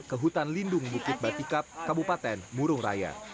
ke hutan lindung bukit batikap kabupaten murung raya